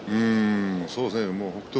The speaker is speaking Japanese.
そうですね北勝